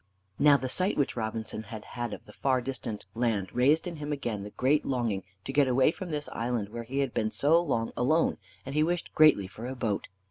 Now, the sight which Robinson had had of the far distant land raised in him again the great longing to get away from this island where he had been so long alone, and he wished greatly for a boat.